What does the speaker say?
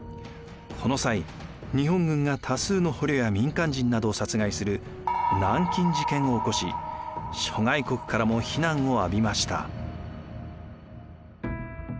この際日本軍が多数の捕虜や民間人などを殺害する南京事件を起こし諸外国からも非難を浴びました。